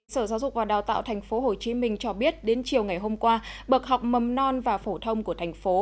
sở giáo dục và đào tạo tp hcm cho biết đến chiều ngày hôm qua bậc học mầm non và phổ thông của thành phố